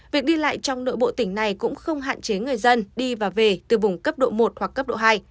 việc đi lại trong nội bộ tỉnh này cũng không hạn chế người dân đi và về từ vùng cấp độ một hoặc cấp độ hai